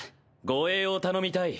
護衛を頼みたい。